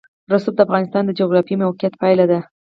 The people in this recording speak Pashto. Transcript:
رسوب د افغانستان د جغرافیایي موقیعت پایله ده.